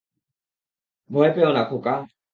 ভয় পেয়ো না, খোকা!